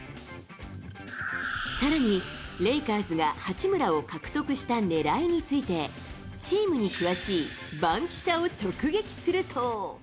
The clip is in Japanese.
さらに、レイカーズが八村を獲得したねらいについて、チームに詳しい番記者を直撃すると。